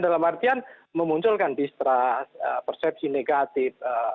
dalam artian memunculkan distrust persepsi negatif